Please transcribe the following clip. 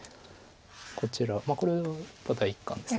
こちらこれが第一感です。